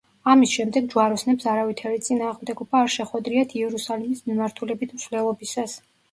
ამის შემდეგ ჯვაროსნებს არავითარი წინააღმდეგობა არ შეხვედრიათ იერუსალიმის მიმართულებით მსვლელობისას.